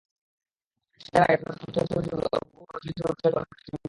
কিছুদিন আগে কলকাতার অন্তহীন ছবির হুবহু নকল টেলিছবি প্রচারিত হলো একটি টিভি চ্যানেলে।